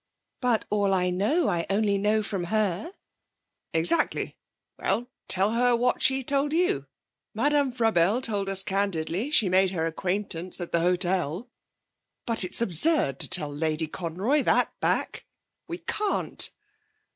'But all I know I only know from her.' 'Exactly. Well, tell her what she told you. Madame Frabelle told us candidly she made her acquaintance at the hotel! But it's absurd to tell Lady Conroy that back! We can't!'